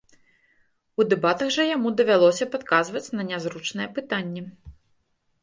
У дэбатах жа яму давялося б адказваць на нязручныя пытанні.